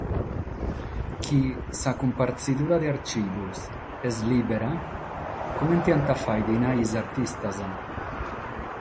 Si sa cumpartzidura de archìvios est lìbera, comente ant a fàghere dinare is artistas?